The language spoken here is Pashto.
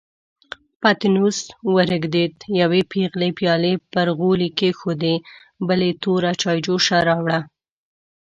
پتنوس ورېږدېد، يوې پېغلې پيالې پر غولي کېښودې، بلې توره چايجوشه راوړه.